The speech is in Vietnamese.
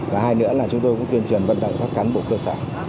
và hai nữa là chúng tôi cũng tuyên truyền vận động các cán bộ cơ sở